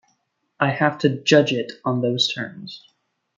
I have to judge it on those terms.